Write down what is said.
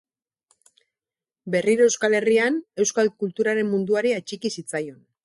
Berriro Euskal Herrian euskal kulturaren munduari atxiki zitzaion.